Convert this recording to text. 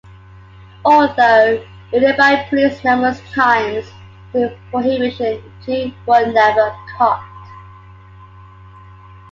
Although raided by police numerous times during Prohibition, the two were never caught.